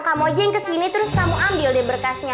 kamu aja yang kesini terus kamu ambil deh berkasnya